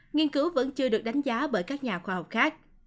nghiên cứu vẫn chưa được đánh giá bởi các nhà khoa học khác